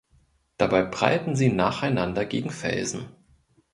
Dabei prallten sie nacheinander gegen Felsen.